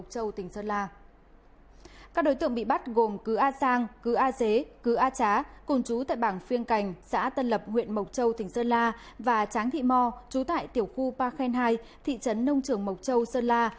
các đối tượng bị bắt gồm cứ a sang cứ a dế cứ a trá cùng chú tại bảng phiên cành xã tân lập huyện mộc châu tỉnh sơn la và tráng thị mo chú tại tiểu khu ba khen hai thị trấn nông trường mộc châu sơn la